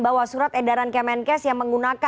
bahwa surat edaran kemenkes yang menggunakan